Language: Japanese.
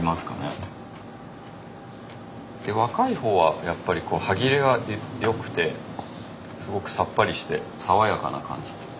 若いほうはやっぱり歯切れがよくてすごくさっぱりして爽やかな感じ。